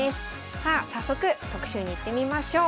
さあ早速特集にいってみましょう。